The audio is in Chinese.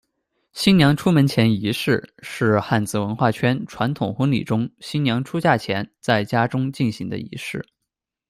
新娘出门前仪式是汉字文化圈传统婚礼中新娘出嫁前在家中进行的仪式。